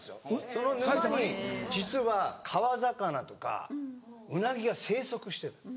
その沼に実は川魚とかウナギが生息してる。